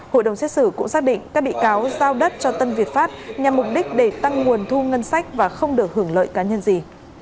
hội đồng xét xử cũng xác định các bị cáo giao đất cho tân việt pháp nhằm mục đích để tăng nguồn thu ngân sách và không được hưởng lợi cá nhân gì